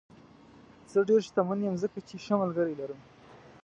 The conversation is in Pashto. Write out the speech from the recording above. زه ډېر شتمن یم ځکه چې ښه ملګري لرم.